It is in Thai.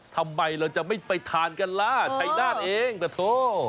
ทำไมเราจะไม่ไปทานกันล่ะชัยนาธเองนะโถ